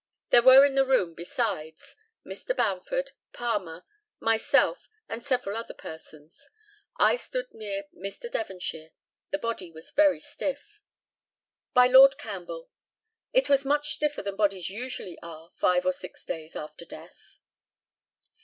There were in the room, besides, Mr. Bamford, Palmer, myself, and several other persons. I stood near Mr. Devonshire. The body was very stiff. By LORD CAMPBELL: It was much stiffer than bodies usually are five or six days after death.